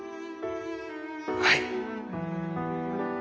はい。